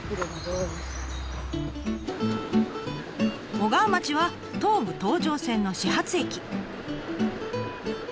小川町は東武東上線の始発駅。